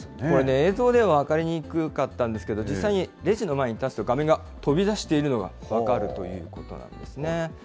これ、映像では分かりにくかったんですが、実際にレジの前に立つと画面が飛び出しているのが分かるということなんですね。